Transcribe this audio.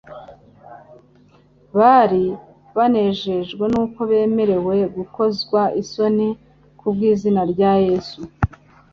bari «banejejwe nuko bemerewe gukozwa isoni kubw'izina rya Yesu.'»